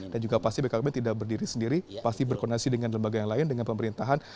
dan juga pasti bkkbn tidak berdiri sendiri pasti berkongresi dengan lembaga yang lain dengan pemerintahan